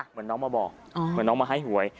เหมือนน้องมาบอกเหมือนน้องมาให้หวย